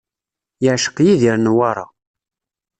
Yeɛceq Yidir Newwara.